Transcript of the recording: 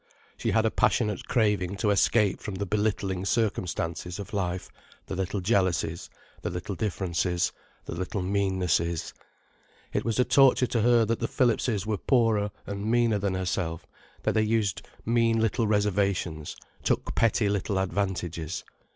She had a passionate craving to escape from the belittling circumstances of life, the little jealousies, the little differences, the little meannesses. It was a torture to her that the Phillipses were poorer and meaner than herself, that they used mean little reservations, took petty little advantages.